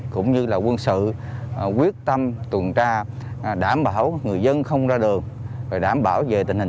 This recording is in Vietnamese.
cũng như là quân sự quyết tâm tuần tra đảm bảo người dân không ra đường và đảm bảo về tình hình